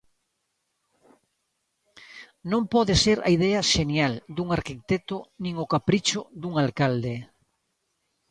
Non pode ser a idea xenial dun arquitecto nin o capricho dun alcalde.